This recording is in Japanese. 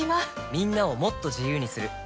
みんなをもっと自由にする「三菱冷蔵庫」